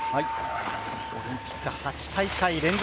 オリンピック８大会連続